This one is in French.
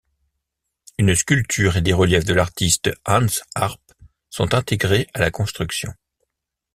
Une sculpture et des reliefs de l'artiste Hans Arp sont intégrés à la construction.